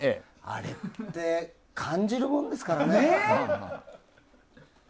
あれって感じるものですからね。